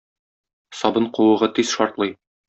Сабын куыгы тиз шартлый.